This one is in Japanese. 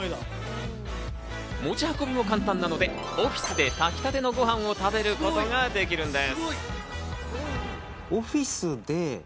持ち運びも簡単なのでオフィスで炊きたてのご飯を食べることができるんです。